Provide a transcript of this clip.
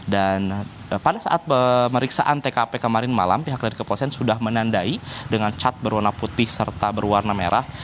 dan pada saat meriksaan tkp kemarin malam pihak dari kepolisian sudah menandai dengan cat berwarna putih serta berwarna merah